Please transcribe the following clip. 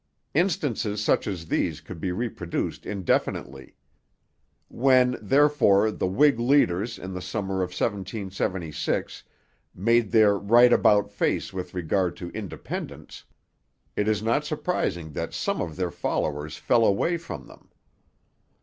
Instances such as these could be reproduced indefinitely. When, therefore, the Whig leaders in the summer of 1776 made their right about face with regard to independence, it is not surprising that some of their followers fell away from them.